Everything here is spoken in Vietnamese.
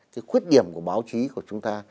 cái khuyết điểm của báo chí của chúng ta